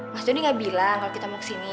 mas donny gak bilang kalo kita mau kesini